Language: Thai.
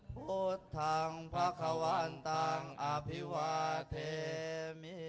พุทธังพระควันตังอภิวเทมี